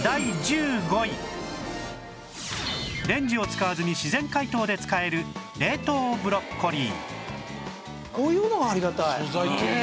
レンジを使わずに自然解凍で使える冷凍ブロッコリー素材系ね素材系。